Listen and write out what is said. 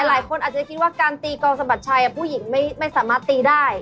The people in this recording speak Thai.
หลายคนอาจจะคิดว่าการตีกองสะบัดชัยผู้หญิงไม่สามารถตีได้